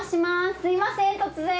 すみません突然！